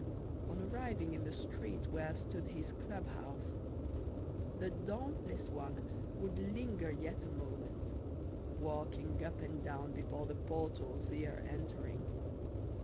On arriving in the street where stood his club house, the dauntless one would linger yet a moment, walking up and down before the portals ere entering.